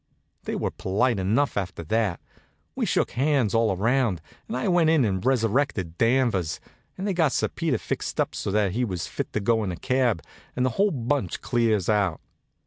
They were polite enough after that. We shook hands all round, and I went in and resurrected Danvers, and they got Sir Peter fixed up so that he was fit to go in a cab, and the whole bunch clears out.